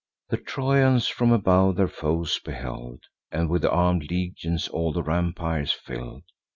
The Trojans, from above, their foes beheld, And with arm'd legions all the rampires fill'd.